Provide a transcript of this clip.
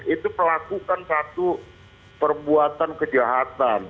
itu melakukan satu perbuatan kejahatan